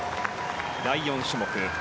第４種目。